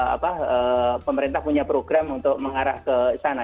apa pemerintah punya program untuk mengarah ke sana